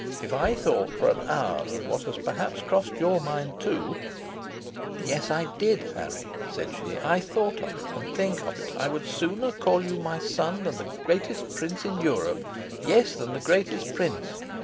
If I thought for an hour of what has perhaps crossed your mind too " "Yes, I did, Harry," said she; "I thought of it; and think of it. I would sooner call you my son than the greatest prince in Europe yes, than the greatest prince.